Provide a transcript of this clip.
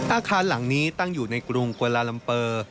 อาคารหลังนี้ตั้งอยู่ในกรุงกวาลาลัมเปอร์